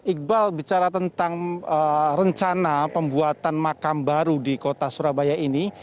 iqbal bicara tentang rencana pembuatan makam baru di kota surabaya ini